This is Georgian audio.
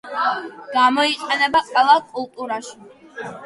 გამოიყენება ყველა კულტურაში.